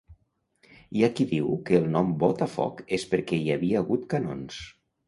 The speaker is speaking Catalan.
Hi ha qui diu que el nom Botafoc és perquè hi havia hagut canons.